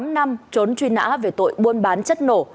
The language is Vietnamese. hai mươi tám năm trốn truy nã về tội buôn bán chất nổ